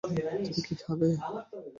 তুমি কী খাবে?